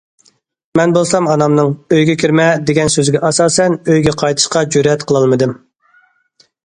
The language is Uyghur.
مەن بولسام ئانامنىڭ«... ئۆيگە كىرمە» دېگەن سۆزىگە ئاساسەن ئۆيگە قايتىشقا جۈرئەت قىلالمىدىم.